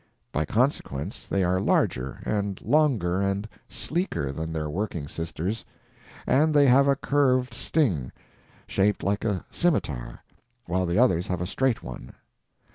By consequence they are larger and longer and sleeker than their working sisters. And they have a curved sting, shaped like a scimitar, while the others have a straight one.